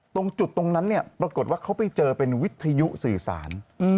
ตรงจุดตรงนั้นเนี่ยปรากฏว่าเขาไปเจอเป็นวิทยุสื่อสาร